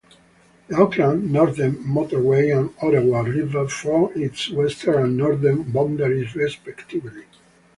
The Auckland Northern Motorway and Orewa River form its western and northern boundaries respectively.